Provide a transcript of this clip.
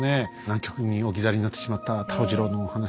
南極に置き去りになってしまったタロジロのお話。